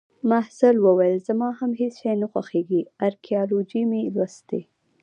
محصل وویل: زما هم هیڅ شی نه خوښیږي. ارکیالوجي مې لوستلې